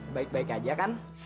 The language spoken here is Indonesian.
baik baik aja kan